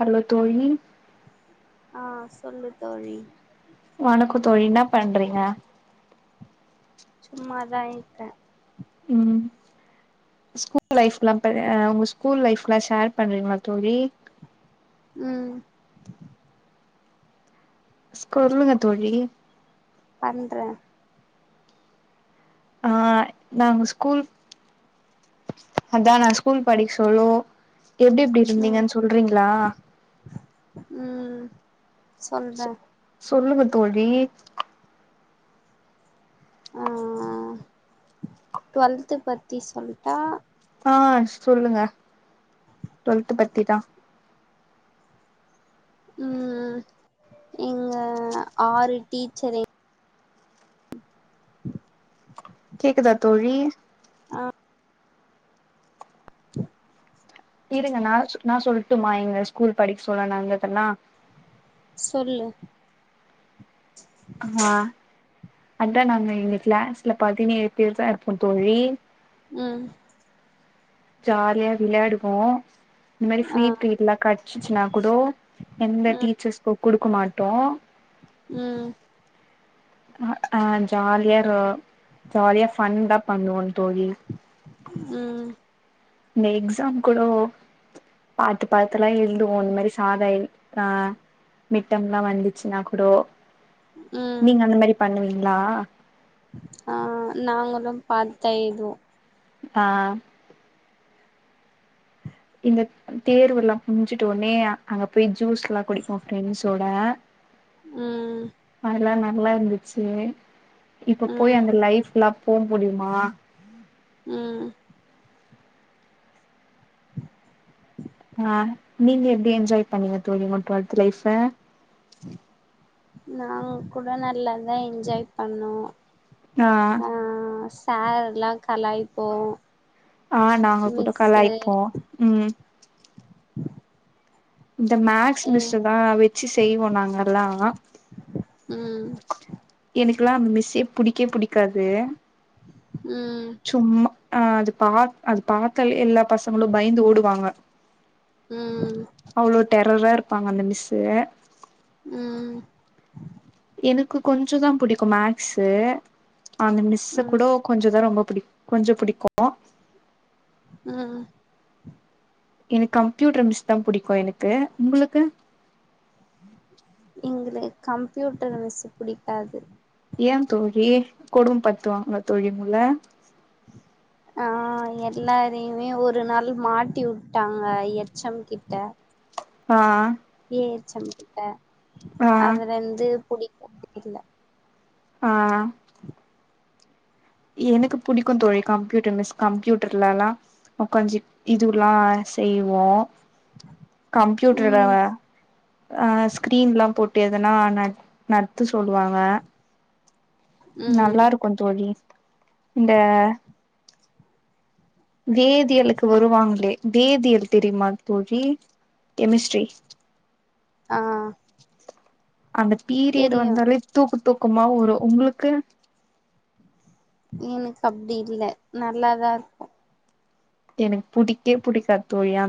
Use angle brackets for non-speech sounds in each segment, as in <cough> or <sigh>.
hello தோயி ஆ சொல்லு தோழி வணக்ககு தோழி இன்னா பண்றீங்க சும்மாதா ஈக்க ம் ஸ்கூ லைஃப்லா ப எ உங்க ஸ்கூல் லைஃப்லா ஷேர் பண்றீங்ளா தோழி ம் ஸ்கொல்லுங்க தோழி பண்ற ஆ நாங்க ஸ்கூல் அதா நா ஸ்கூல் படிக சொல்லோ எப்டிப்டி ம் இருந்தீங்கன் சொல்றீங்ளா சொல்ற தொல்லுங்க தோழி ஆ டுவல்த்து பத்தி சொல்ட்டா ஆ சொல்லுங்க டுவெல்த்து பத்திதா ம் ம் இங்க ஆறு டீச்சரே கேக்குதா தோழி அ <inaudible> இருங்க நாலசு நா சொல்ட்டுமா எங்க ஸ்கூல் படிக் சொல்ல நந்ததல்லா சொல்லு அஹா அத்தா நாங்க எங்க க்ளேஸ்ல பதினேழு பேர் தா இர்ப்போ தோழி ம் ஜால்யா விளையாடுவோ இந்மேரி ஆ ஃப்ரீ ப்ரீட்லா கட்சிச்சினா குடோ எந்த ம் டீச்சஸ்கோ குடுக்கு மாட்டோ ம் அ ஜால்யா ரொ ஜாலியா ஃபன் தா பண்ணுவோயி ம் நெ எக்ஸாம் குடோ பாத்து பாத்துலா எல்துவோ இந்மேரி சாதய் ஆ மிட்டம்ல்லா வந்துச்சின்னா குடோ ம் நீங் அந்த மேரி பண்ணுவீங்ளா ஆ நாங்களு பாத்தா எழ்துவோ ஆ இந்த தேர்வுல்லா புஞ்சுட் ஒனே அங்க போய் ஜூஸ்ல்லா குடிப்போ ஃப்ரெண்ஸோட ம் அதுல்லா நல்லா இர்ந்துச்சு இப்ப ம் போய் அந்த லைஃப்ல்லா போ முடியுமா ம் ஆ நீங்க எப்டி என்ஜாய் பண்ணீங்க தொழி உங்க டுவெல்த்து லைஃப்ப நாங் கூட நல்லாதா என்ஜாய் பண்ணோ ஆ சாரெல்லா கலாய்ப்போ அ நாங்க கூட மிஸ்ஸு கலாய்ப்போ ம் இந்த மேக்ஸ் ம் மிஸ்ஸு தா வெச்சு செய்வோ நாங்கல்லா ம் எனக்குலா அந் மிஸ்ஸே புடிக்கே புடிக்காது ம் சும்மா அ அது பா அது பாத்தால எல்லா பசங்களு பயந்து ஓடுவாங்க ம் டெட்ர்ரா இருப்பாங்க அந்த மிஸ்ஸு ம் எனக்கு கொஞ்சு தா புடிக்கு மேக்ஸு அந்த மிஸ்ஸ கூட ம் கொஞ்ச தா ரொம்ப புடி கொஞ்சோ புடிக்கு ம் எனக் கம்ப்யூட்ரு மிஸ் தா புடிக்கு எனக்கு உங்குளுக்கு எங்களுக் கம்ப்யூட்டரு மிஸ்ஸு புடிக்காது ஏ தோழி கொடும் பத்துவாங்ளா தோழி உங்கள ஆ அ எல்லாரியுமே ஒரு நாள் மாட்டி வுட்டாங்க எச் எம் கிட்ட ஆ ஏ எச் எம் கிட்ட ஆ அதுலருந்து புடிக்கற்தில்ல ஆ உஹ எனக்கு புடிக்குந் தோழி கம்ப்யூட்டர் மிஸ் கம்ப்யூட்டர்லெல்லா அ கொஞ்சி இதுவ்லா செய்வோ கம்ப்யூட்டர்ல ம் வ அ ஸ்கிரீன்லா போட் ட்ரு எதனா நட் நட்த்த சொல்லுவாங்க ம் நல்லா இருக்கு தோழி இந்த வேதியலுக்கு வருவாங்களே வேதியல் தெரியிமா தோழி கெமிஸ்ட்ரி அ அந்த பீரியடு வந்தாலே தூக்கு தூக்கமா வரு உங்குளுக்கு எனக்கு அப்டி இல்ல நல்லாதா இருக்கு எனக் புடிக்கே புடிக்காத் தோழி அ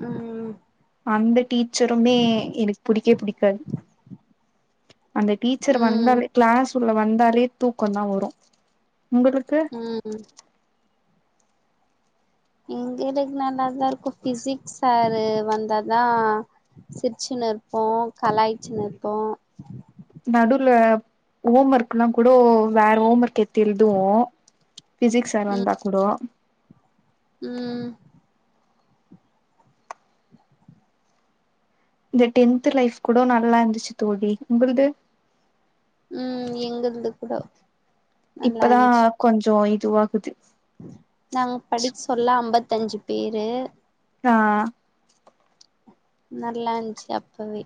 ம் அந்த டீச்சருமே எனுக் புடிக்கே புடிக்காது அந்த டீச்சரு ம் ம் வந்தாலே க்ளாஸ் உள்ள வந்தாலே தூக்கொந்தா வரு உங்களுக்கு ம் எங்களுக் நல்ல தா இருக்கு ஃபிசிக்ஸ் சாரு வந்தாதா சிர்ச்சின் னிர்போ கலாய்ச்சினிருபோ நடுவ்ல இந்த ஹோம் ஒர்க்குல்லா கூட வேற ஹோம் ஒர்க் எத்து எழ்துவோ ஃபிசிக்ஸ் சார் ம் வந்தா கூடோ ம் இந்த டென்த்து லைஃப் கூட நல்லா இந்துச்சு தோழி உங்கிள்து ம் எங்கள்து கூடோ இப்பதா கொஞ்சோ இதுவாகுது நாங் படிக் சொல்ல அம்பத்தஞ்சு பேரு ஆ நல்லாந்ச்சு அப்பவே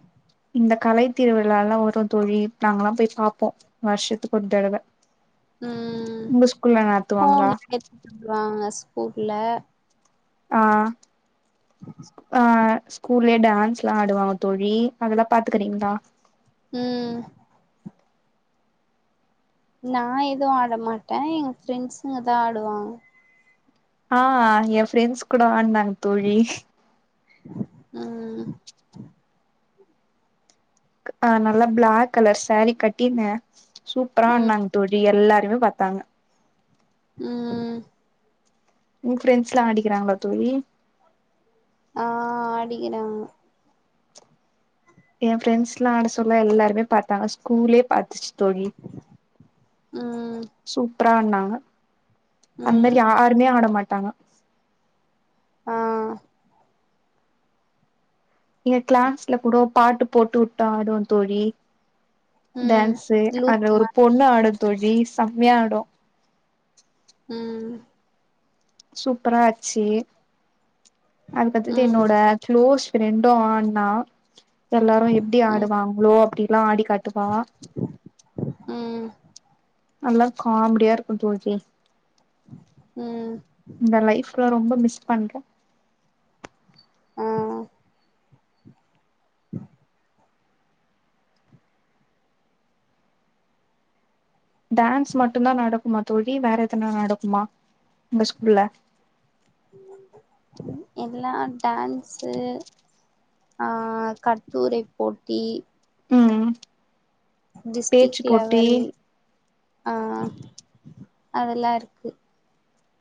இந்த கலை திருவிழா எல்லா வரு தோழி நாங்கெல்லா போய் பாப்போ வருஷத்துக் ஒரு தடவ ம் உங்க ஸ்கூல்ல நடத்துவாங்களா ஃபோன்ல எத்து <inaudible> வாங்க ஸ்கூல்ல ஆ ஆ ஸ்கூல்லேயே டான்ஸ்ல்லா ஆடுவாங்க தோழி அதெல்லா பாத்துக்கிறீங்ளா ம் நா எது ஆட மாட்ட எங்க ஃப்ரெண்ட்ஸுங்க தா ஆடுவாங்க ஆ என் ஃப்ரெண்ட்ஸ் கூட ஆட்னாங்க தோழி ம் அ நல்ல பிளாக் கலர் சாரீ கட்டின்னு சூப்பரா ம் ஆட்னாங்க தோழி எல்லாருமே பாத்தாங்க ம் உங் ஃப்ரெண்ட்ஸ்ல்லா ஆடிக்கிறாங்களா தோழி ஆ ஆடிக்கிறாங்க என் ஃப்ரெண்ட்ஸ்ல்லா ஆட சொல்ல எல்லாருமே பாத்தாங்க ஸ்கூலே பாத்துச்சு தோழி ம் சூப்ரா ஆட்னாங்க அந் மேரி ம் யாருமே ஆட மாட்டாங்க ஆ என் கிளாஸ்ல கூடோ பாட்டு போட்டு வுட்டா ஆடுவோ தோழி ம் டான்ஸு லூசு அத்ல ஒரு மாரி பொண்ணு ஆடு தோழி செம்மையா ஆடு ம் சூப்பரா ஆச்சி அது பாத்துட்டு ம் என்னோட க்ளோஸ் ஃப்ரெண்டூ ஆட்னா எல்லாரு எப்டி ம் ஆடுவாங்ளோ அப்டிலா ஆடி கத்துப்பாங்க ம் நல்லா காம்டியா இருக்குந் தோழி ம் இந்த லைஃப்லா ரொம்ப மிஸ் பண்றோ ஆ டான்ஸ் மட்டுதா நடக்குமா தோழி வேற எதனா நடக்குமா உங்க ஸ்கூல்ல எல்லா டான்ஸு ஆ கட்டுரைப் போட்டி ம் டிஸ்டிக் பேச்சு போட்டி லெவல் ஆ அதெல்லா இருக்கு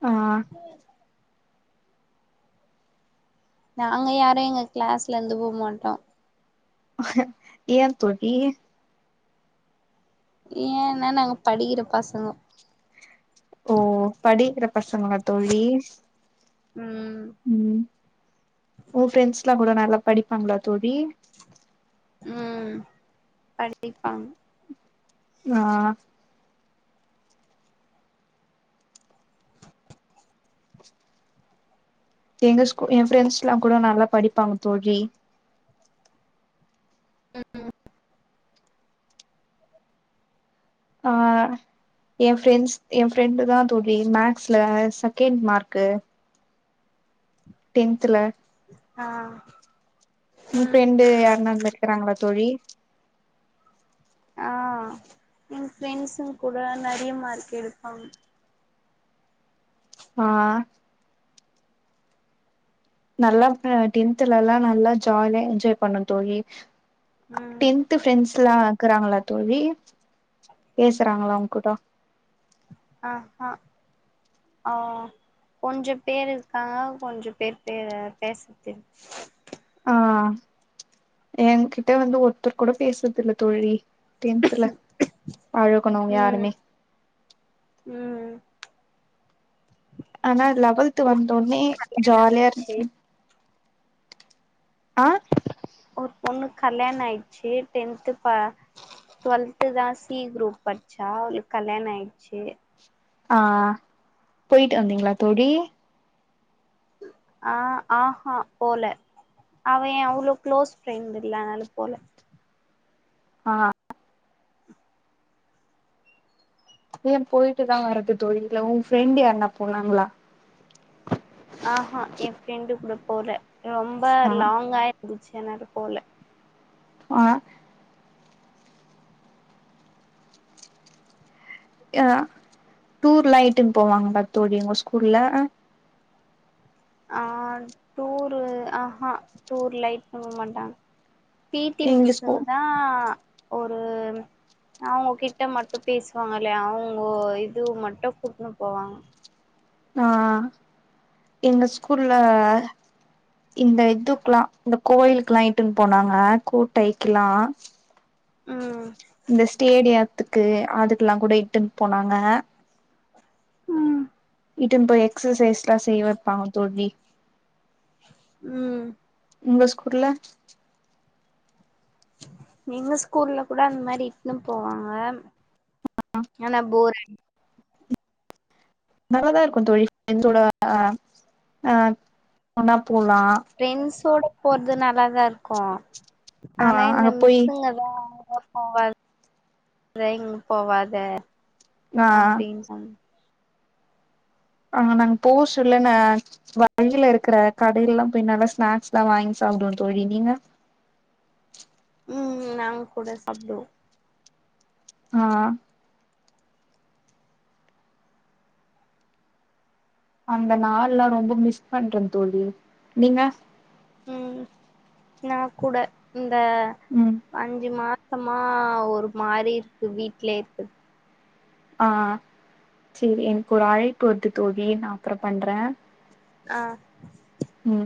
ஆ நாங்க யாரு எங்க க்ளாஸ்லருந்து போ மாட்டோ ஏன் தோழி ஏன்னா நாங்க படிக்கிற பசங்கோ ஓ படிக்கிற பசங்களா தோழி ம் ஊன் ஃப்ரெண்ட்ஸ்ல்லா கூடோ நல்லா படிப்பாங்ளா தோழி ம் படிப்பாங்க நா எங்க ஸ்கூ என் ஃப்ரெண்ட்ஸ்ல்லா கூடோ நல்லா படிப்பாங்க தோழி ம் ம் ஆ என் ஃப்ரெண்ட்ஸ் என் ஃப்ரெண்டு் தா தோழி மேக்ஸ்ல செகண்ட் மார்க்கு டென்துல ஆ உங் ம் ஃப்ரெண்டு யார்னா அந்த மேரி இருக்குறாங்களா தோழி தோழி ஆ எங் ஃப்ரெண்ட்ஸுங்கூட நெறைய மார்க் எடுப்பாங்க ஆ நல்லா அ டென்த்லல்லா நல்லா ஜாலியா என்ஜாய் பண்ணோ தோழி ம் டென்த் ஃப்ரெண்ட்ஸ் லா இக்குறாங்ளா தோழி பேசுறாங்களா உங்க்கிட்ட ஆ ஹா ஆ கொஞ்ச பேர் இருக்காங்க கொஞ்ச பேர் பேர பேசற்துல் ஆ ஏங்கிட்ட வந்து ஒருத்தர் கூட பேசற்தில்ல தோழி டென்த்துல பழகுனவங்க ம் யாருமே ம் ஆனா லவல்த்து வந்தோனே ஜாலியா இருந் ஆ ஒர் பொண்ணுக் கல்யாணோ ஆயிச்சு டென்த்து பா டுவெல்து தா சி குரூப் படிச்சா அவளுக் கல்யாண ஆயிச்சு ஆ போயிட்டு வந்தீங்களா தோழி ஆ ஆஹா போல அவ ஏ அவ்ளோ க்ளோஸ் ஃப்ரெண்ட் இல்லனால போல ஆ ஏ போயிட்டு தா வர்றது தோழி இல்ல ஊ ஃப்ரெண்ட் யார்னா போனாங்களா ஆஹா ஏ ஃப்ரெண்டு கூட போல ரொம்ப ஆ லாங்கா இந்துச் என்னாடு போல ஆ யா டூர்லா இட்டுன் போவாங்களா தோழி உங்க ஸ்கூல்ல ஆ டூரு ஆஹா டூர்லா இட் போக மாட்டாங் பி டி எங்க ஸ்கூ மிஸ்ஸுங்க தா ஒரு அவுங்கோ கிட்ட மட்டு பேசுவாங்கலே அவுங்கோ இது மட்டு கூட்னு போவாங்க ஆ எங்க ஸ்கூல்ல இந்த இதுக்குலா இந்த கோயிலுக்குலா இட்டுன் போனாங்க கோட்டைக்குலா ம் இந்த ஸ்டேடியித்துக்கு அதுக்குலா கூட இட்டுன் போனாங்க இட்டுன் போய் எக்ஸசைஸ்லா செய்ய வப்பாங்க தோழி ம் உங்க ஸ்கூல்ல எங்க ஸ்கூல்ல கூட அந் மாரி இட்ன்னு போவாங்க ஆனா போர் அடிக் நல்லாதா இருக்கூ தோழி ஃப்ரெண்ட்ஸோட ஆ ஆனா ஃப்ரெண்ட்ஸோட போறது நல்லாதாருக்கூ ஆ ஆனா இந்த அங்க போய் மிஸ்ஸுங்கதா அங்க போவாத இங்க போவாத ஆ அப்டின் சொன் ஆ நாங்க போச்சில்லன்ன வழியில இருக்கிற கடையல்லா போய் நல்லா ஸ்நாக்ஸ்லா வாய்ங் சா சாப்டுவோ தோழி நீங்க ம் நாங் கூட சாப்டுவோ ஆ அந்த நாள்லா ரொம்ப மிஸ் பண்றே தோழி நீங்க ம் நா கூட இந்த ம் அஞ்சி மா சமா ஒரு மாரி இருக்கு வீட்லே இருக்கற் ஆ செரி எனக்கு ஒரு அழைப்பு வருது தோழி நா அப்புற பண்றே ஆ ம்